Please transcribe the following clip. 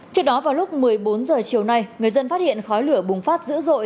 trước đó vào lúc một mươi bốn h chiều nay người dân phát hiện khói lửa bùng phát dữ dội